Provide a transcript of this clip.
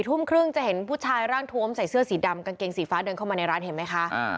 ทุ่มครึ่งจะเห็นผู้ชายร่างทวมใส่เสื้อสีดำกางเกงสีฟ้าเดินเข้ามาในร้านเห็นไหมคะ